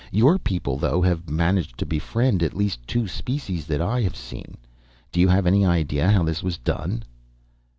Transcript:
Your people, though, have managed to befriend at least two species that I have seen. Do you have any idea how this was done?"